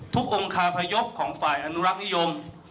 องค์คาพยพของฝ่ายอนุรักษ์นิยม